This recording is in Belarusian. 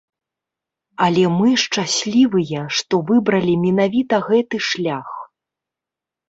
Але мы шчаслівыя, што выбралі менавіта гэты шлях.